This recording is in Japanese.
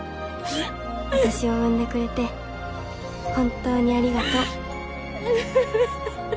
私を産んでくれて本当にありがとう」。